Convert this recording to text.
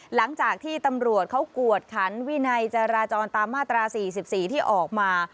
หลังจากที่ตำรวจเขากวดขันวินัยจราจรตามมาตรา๔๔ที่ออกมา